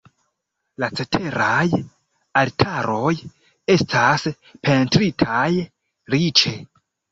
La ceteraj altaroj estas pentritaj riĉe.